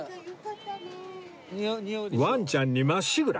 ワンちゃんにまっしぐら！